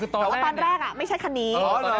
ตอนแรกไม่ใช่คันนี้